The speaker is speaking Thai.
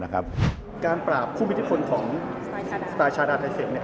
การปราบผู้มิติฟนของสไตล์ชาดาไทยเซม